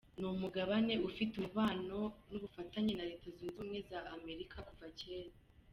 Ni umugabane ufite umubano n’ubufatanye na Leta Zunze Ubumwe za Amerika kuva kera.